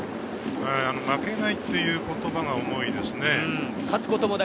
負けないという言葉が重いですね。